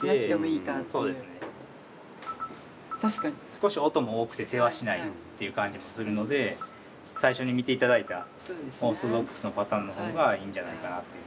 少し音も多くてせわしないっていう感じするので最初に見て頂いたオーソドックスのパターンのほうがいいんじゃないかなっていう。